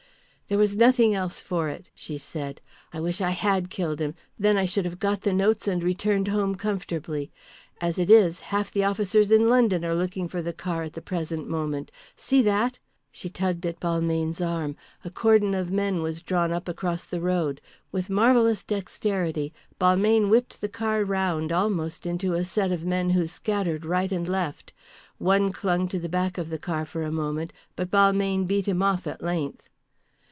"There was nothing else for it," she said. "I wish I had killed him, then I should have got the notes and returned home comfortably. As it is half the officers in London are looking for the car at the present moment. See that!" She tugged at Balmayne's arm. A cordon of men were drawn up across the road. With marvellous dexterity Balmayne whipped the car round almost into a set of men who scattered right and left. One clung to the back of the car for a moment, but Balmayne beat him off at length.